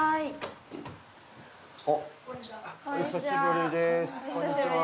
お久しぶりです。